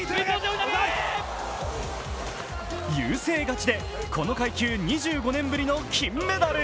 優勢勝ちでこの階級２５年ぶりの金メダル。